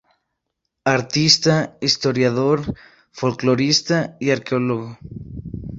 Artista, historiador, folclorista y arqueólogo.